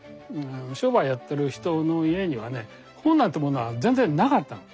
商売やってる人の家にはね本なんてものは全然なかったの。